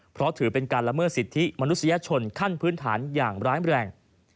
เพราะถือเป็นการละเมิดสิทธิมนุษยชนขั้นพื้นฐานอย่างร้ายแรง